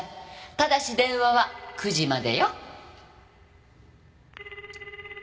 ただし電話は９時までよ。